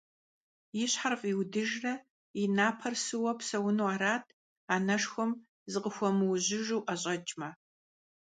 И щхьэр фӀиудыжрэ и напэр сыуэ псэуну арат, анэшхуэм зыкъыхуэмыужьыжу ӀэщӀэкӀмэ.